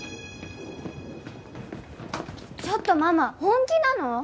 ちょっとママ本気なの？